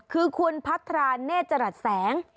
คือคุณพัทราเนธจรัสแสง